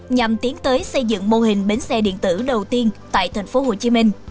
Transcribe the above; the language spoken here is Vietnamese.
nhằm tiến tới xây dựng mô hình bến xe điện tử đầu tiên tại tp hcm